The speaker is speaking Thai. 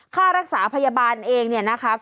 ข้ารักษาพยาบาลเองนะคะ